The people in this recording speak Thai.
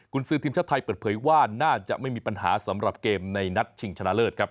คุณซื้อทีมชาติไทยเปิดเผยว่าน่าจะไม่มีปัญหาสำหรับเกมในนัดชิงชนะเลิศครับ